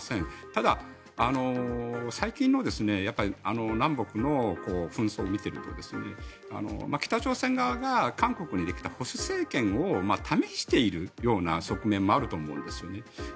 ただ、最近の南北の紛争を見ていると北朝鮮側が、韓国にできた保守政権を試しているような側面もあると思うんですよね。